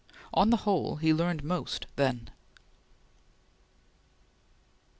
On the whole he learned most then.